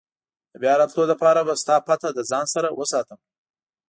د بیا راتلو لپاره به ستا پته له ځان سره وساتم.